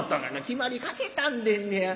「決まりかけたんでんねや。